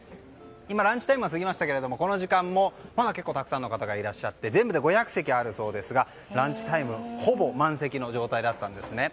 今、ランチタイムは過ぎましたがこの時間もまだ結構たくさんの方がいらっしゃって全部で５００席あるそうですがランチタイムはほぼ満席の状態だったんですね。